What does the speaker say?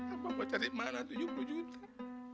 apa apa cari mana tujuh puluh juta